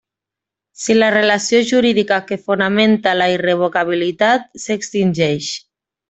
Si la relació jurídica que fonamenta la irrevocabilitat s'extingeix.